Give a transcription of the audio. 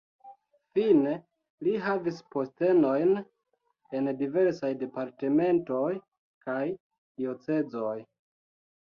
Fine li havis postenojn en diversaj departementoj kaj diocezoj.